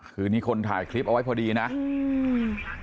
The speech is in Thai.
คือนี่คนถ่ายคลิปเอาไว้พอดีนะอืม